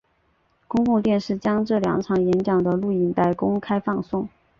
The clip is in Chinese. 公共电视将这两场演讲的录影公开放送。